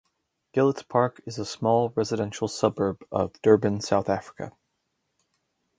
Gillitts Park is a small residential suburb of Durban, South Africa.